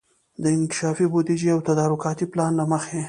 د انکشافي بودیجې او تدارکاتي پلان له مخي